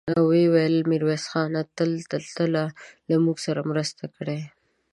ويې ويل: ميرويس خانه! تا تل له موږ سره مرسته کړې.